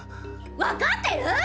わかってる？